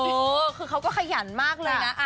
เออคือเขาก็ขยันมากเลยนะ